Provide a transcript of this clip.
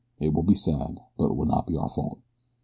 It will be sad; but it will not be our fault.